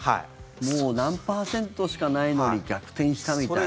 もう何パーセントしかないのに逆転したみたいなね。